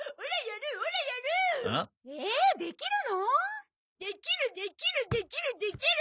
できるできるできるできる！